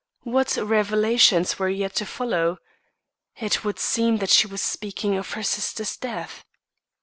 What revelations were yet to follow. It would seem that she was speaking of her sister's death.